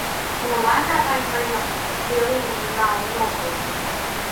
Молан авай мыйым пеленже налын огыл?